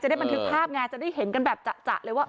ได้บันทึกภาพไงจะได้เห็นกันแบบจะเลยว่า